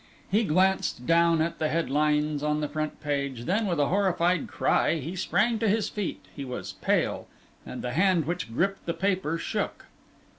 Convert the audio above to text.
He glanced down at the headlines on the front page, then with a horrified cry he sprang to his feet. He was pale, and the hand which gripped the paper shook.